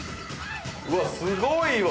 うわっすごいわ！